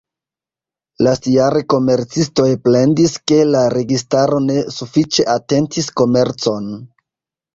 Lastjare komercistoj plendis, ke la registaro ne sufiĉe atentis komercon.